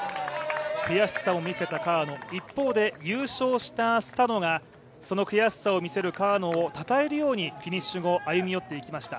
悔しさを見せた川野、一方で優勝したスタノがその悔しさを見せる川野をたたえるようにフィニッシュ後歩み寄っていきました。